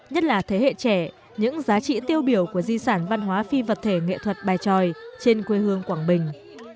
nhất là thế hệ trẻ những giá trị tiêu biểu của di sản văn hóa phi vật thể nghệ thuật bài tròi trên quê hương quảng bình